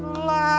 lo kunjungi allah